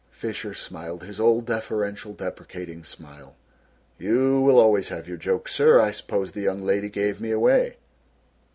Fisher smiled his old, deferential, deprecating smile. "You will always have your joke, sir. I suppose the young lady gave me away."